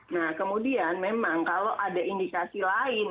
nah kemudian memang kalau ada indikasi lain